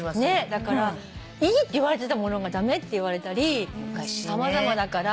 だからいいっていわれてたものが駄目っていわれたり様々だから。